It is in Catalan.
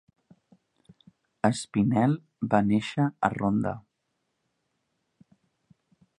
Espinel va néixer a Ronda.